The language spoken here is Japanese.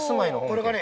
これがね